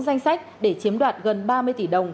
danh sách để chiếm đoạt gần ba mươi tỷ đồng